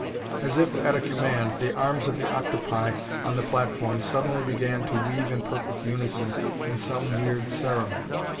As if at a command the arms of the octopi on the platform suddenly began to weave in perfect unison in some weird ceremony.